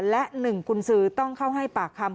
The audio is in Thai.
และ๑กุญสือต้องเข้าให้ปากคำ